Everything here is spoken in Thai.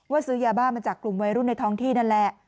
ซื้อยาบ้ามาจากกลุ่มวัยรุ่นในท้องที่นั่นแหละ